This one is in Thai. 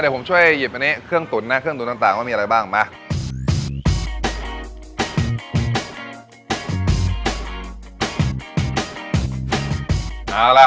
เดี๋ยวผมช่วยหยิบอันนี้เครื่องตุ๋นนะเครื่องตุ๋นต่างว่ามีอะไรบ้างมา